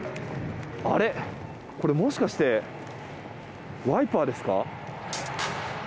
これ、もしかしてワイパーですか。